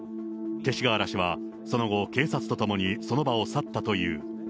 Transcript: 勅使河原氏はその後、警察と共にその場を去ったという。